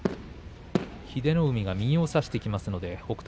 英乃海が右を差してきますので北勝